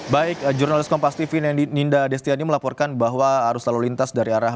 baik jurnalis kompas tv ninda destiani melaporkan bahwa arus lalu lintas dari arah